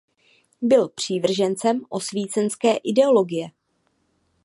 Byl přívržencem osvícenské ideologie.